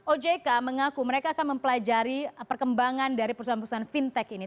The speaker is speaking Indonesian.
ojk mengaku mereka akan mempelajari perkembangan dari perusahaan perusahaan fintech ini